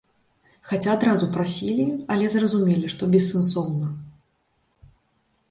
Хаця адразу прасілі, але зразумелі, што бессэнсоўна.